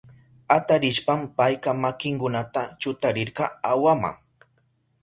Atarishpan payka makinkunata chutarirka awama.